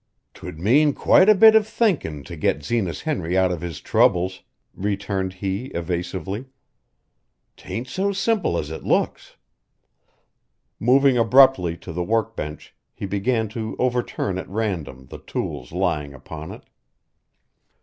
"'Twould mean quite a bit of thinkin' to get Zenas Henry out of his troubles," returned he evasively. "'Tain't so simple as it looks." Moving abruptly to the work bench he began to overturn at random the tools lying upon it.